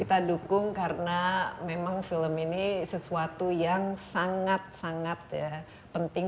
kita dukung karena memang film ini sesuatu yang sangat sangat penting